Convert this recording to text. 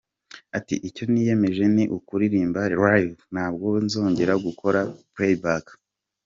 Ati :« Icyo niyemeje ni ukuririmba live, ntabwo nzongera gukora playback.